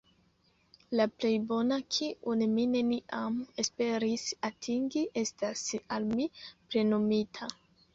La plej bona, kiun mi neniam esperis atingi, estas al mi plenumita.